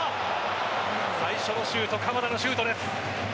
最初のシュート鎌田のシュートです。